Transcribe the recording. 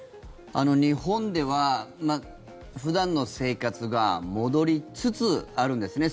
日本では普段の生活が戻りつつあるんですね。